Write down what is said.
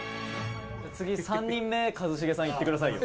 次、３人目一茂さん、いってくださいよ。